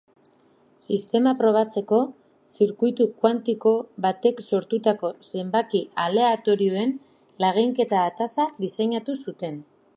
Sistema probatzeko, zirkuitu kuantiko batek sortutako zenbaki aleatorioen laginketa-ataza diseinatu zuten.